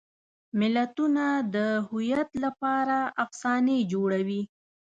ملتونه د هویت لپاره افسانې جوړوي.